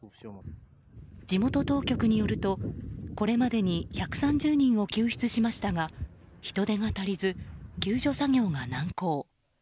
地元当局によると、これまでに１３０人を救出しましたが人手が足りず救助作業が難航。